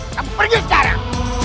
kamu pergi sekarang